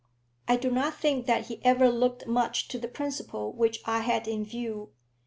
I do not think that he ever looked much to the principle which I had in view.